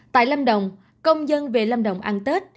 tại lâm đồng công dân về lâm đồng ăn tết